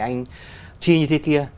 anh chi như thế kia